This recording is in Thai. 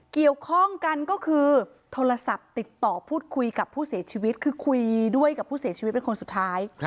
เกี่ยวข้องกันก็คือโทรศัพท์ติดต่อพูดคุยกับผู้เสียชีวิตคือคุยด้วยกับผู้เสียชีวิตเป็นคนสุดท้าย